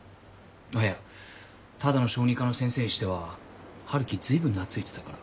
いやただの小児科の先生にしては春樹ずいぶん懐いてたから。